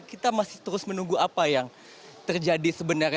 kita masih terus menunggu apa yang terjadi sebenarnya